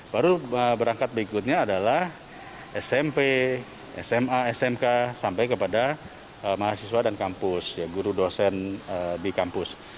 baru berangkat berikutnya adalah smp sma smk sampai kepada mahasiswa dan kampus guru dosen di kampus